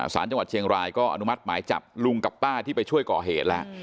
สารจังหวัดเชียงรายก็อนุมัติหมายจับลุงกับป้าที่ไปช่วยก่อเหตุแล้ว